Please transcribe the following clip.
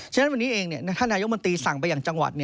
ฉะนั้นวันนี้เองท่านนายกมนตรีสั่งไปอย่างจังหวัด